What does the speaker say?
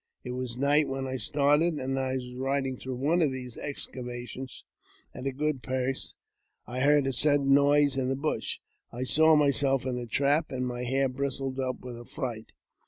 It was night when I started, and as I was riding through one of these excavations at a good pace, I heard a sudden noise in the brush. I saw myself in a trap, and my hair bristled up with affright.